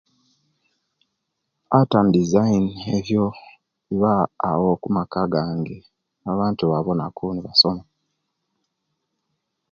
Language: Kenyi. Art and design ebyo biba awo kumaka gange abantu bawonaku nebasoma